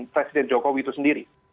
presiden jokowi itu sendiri